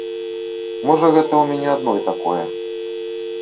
Можа, гэта ў мяне адной такое.